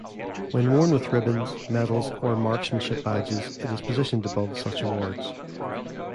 When worn with ribbons, medals, or marksmanship badges, it is positioned above such awards.